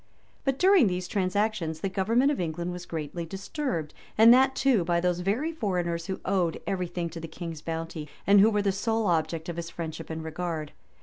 {1074.} But during these transactions, the government of England was greatly disturbed; and that, too, by those very foreigners who owed every thing to the king's bounty, and who were the sole object of his friendship and regard.